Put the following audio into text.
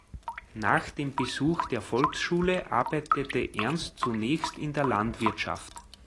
Nach dem Besuch der Volksschule arbeitete Ernst zunächst in der Landwirtschaft.